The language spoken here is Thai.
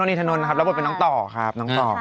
โน่นนี่นทรนนด์ครับรับบทเป็นน้องต่อครับ